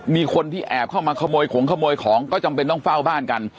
มีคนที่แอบเข้ามาขโมยของขโมยของก็จำเป็นต้องเฝ้าบ้านกัน